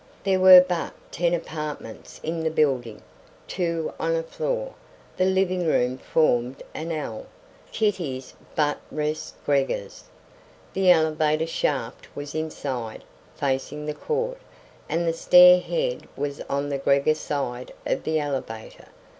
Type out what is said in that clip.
There were but ten apartments in the building, two on a floor. The living room formed an L. Kitty's buttressed Gregor's. The elevator shaft was inside, facing the court; and the stair head was on the Gregor side of the elevator.